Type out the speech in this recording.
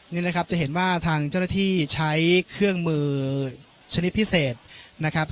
นี่นะครับจะเห็นว่าทางเจ้าหน้าที่ใช้เครื่องมือชนิดพิเศษนะครับ